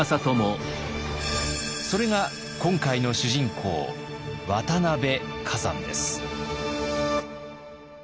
それが今回の主人公渡辺崋山です。